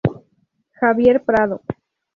Javier Prado.